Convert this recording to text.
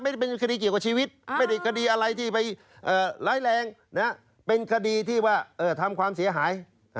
ไม่ได้เป็นคดีเกี่ยวกับชีวิตไม่ได้คดีอะไรที่ไปร้ายแรงเป็นคดีที่ว่าทำความเสียหาย